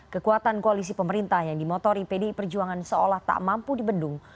kekuatan koalisi pemerintah yang dimotori pdi perjuangan seolah tak mampu dibendung